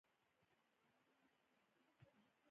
دا کار په سړو اوبو کې تکرار کړئ.